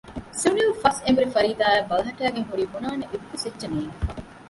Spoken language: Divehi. ސުނިލް ފަސް އެނބުރި ފަރީދާއަށް ބަލަހައްޓައިގެން ހުރީ ބުނާނެ އެއްވެސް އެއްޗެއް ނޭންގިފަ